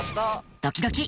ドキドキ。